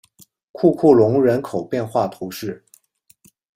库库龙人口变化图示